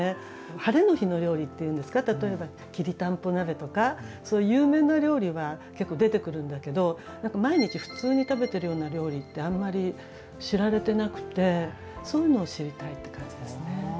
「ハレの日の料理」っていうんですか例えばきりたんぽ鍋とかそういう有名な料理は結構出てくるんだけど毎日普通に食べてるような料理ってあんまり知られてなくてそういうのを知りたいって感じですね。